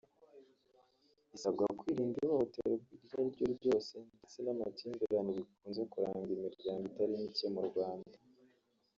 Isabwa kwirinda ihohoterwa iryo ariryo ryose ndetse n’amakimbirane bikunze kuranga imiryango itari mike mu Rwanda